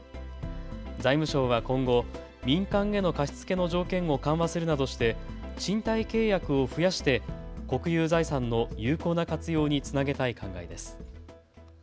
財務省は今後、民間への貸し付けの条件を緩和するなどして賃貸契約を増やして国有財産の有効な活用につなげたい考えです。